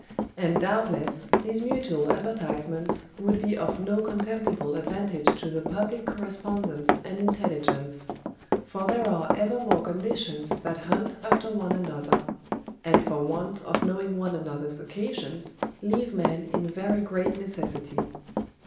And doubtless, these mutual advertisements would be of no contemptible advantage to the public correspondence and intelligence: for there are evermore conditions that hunt after one another, and for want of knowing one another's occasions leave men in very great necessity.